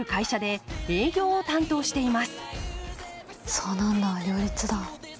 そうなんだ両立だ。